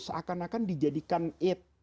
seakan akan dijadikan eid